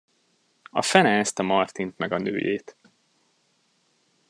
A fene ezt a Martint meg a nőjét.